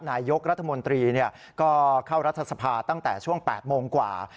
นายกรัฐมนตรีก็เข้ารัฐสภาตั้งแต่ช่วง๘โมงกว่า